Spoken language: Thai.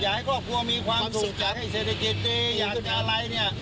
อยากให้ครอบครัวมีความสุขอยากให้เศรษฐกิจดีอยากจะอะไรเนี่ย